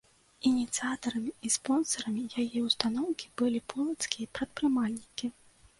Ініцыятарамі і спонсарамі яе ўстаноўкі былі полацкія прадпрымальнікі.